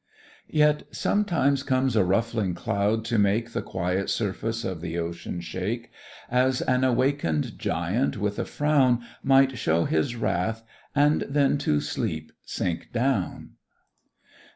Yet sometimes comes a ruffing cloud to make The quiet surface of the ocean shake; As an awaken'd giant with a frown Might show his wrath, and then to sleep sink down.